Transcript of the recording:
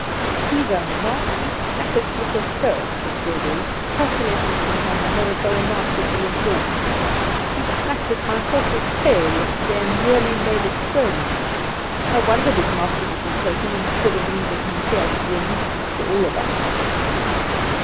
"He's a nasty, snappish little cur!" said Gregory, calculating from her manner that the remark would be endorsed. "He snapped at my horse's tail yesterday, and nearly made it throw me. I wonder his master didn't take him, instead of leaving him here to be a nuisance to all of us!"